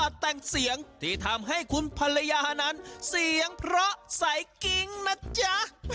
แต่งเสียงที่ทำให้คุณภรรยานั้นเสียงเพราะใสกิ๊งนะจ๊ะ